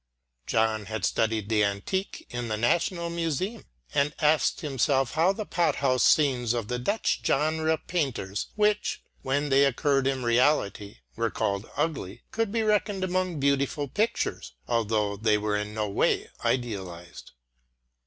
John had studied the antique in the National Museum, and asked himself how the pot house scenes of the Dutch genre painters which, when they occurred in reality, were called ugly, could be reckoned among beautiful pictures, although they were in no way idealised.